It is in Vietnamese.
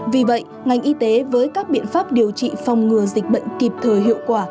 vì vậy ngành y tế với các biện pháp điều trị phòng ngừa dịch bệnh kịp thời hiệu quả